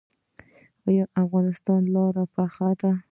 آیا د افغانستان لارې پاخه دي؟